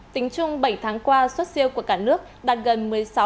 tính chung bảy tháng qua suất siêu của cả nước đạt gần một mươi sáu năm